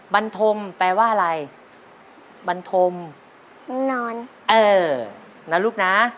บรรทมแปลว่าอะไรบันทมนอนเออนะลูกนะ